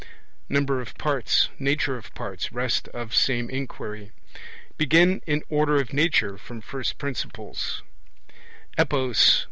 Number of parts: nature of parts: rest of same inquiry. Begin in order of nature from first principles.